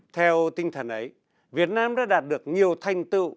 theo tinh thần ấy việt nam đã đạt được nhiều thành tựu